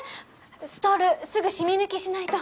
ストールすぐ染み抜きしないと。